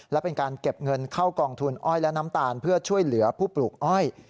และเป็นการเก็บเงินเข้ากองทุนอ้อยและน้ำตาลเพื่อช่วยเหลือผู้ปลูกอ้อย